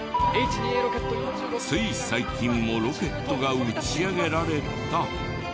つい最近もロケットが打ち上げられた。